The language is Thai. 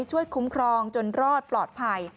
ช่วยคุ้มครองจนรอดปลอดภัย